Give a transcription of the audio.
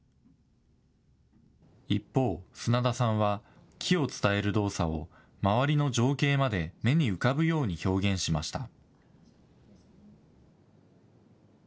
一方、砂田さんは木を伝える動作を周りの情景まで目に浮かぶように表現しました。